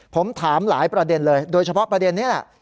ผมถามหลายประเด็นเลยโดยเฉพาะประเด็นนี้แหละ